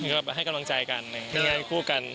ก็ให้กำลังใจกัน